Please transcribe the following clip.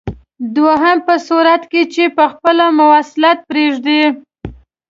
دویم په صورت کې چې په خپله مواصلت پرېږدئ.